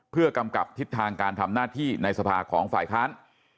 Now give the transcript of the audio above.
เพื่อกำกับทิศทางการทำหน้าที่ในสภาของฝ่ายค้าน